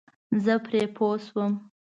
زه پرې پوه شوم.